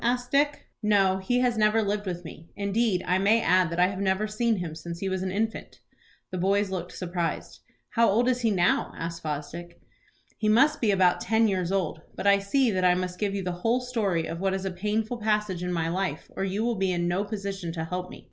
asked Dick. "No, he has never lived with me. Indeed, I may add that I have never seen him since he was an infant." The boys looked surprised. "How old is he now?" asked Fosdick. "He must be about ten years old. But I see that I must give you the whole story of what is a painful passage in my life, or you will be in no position to help me.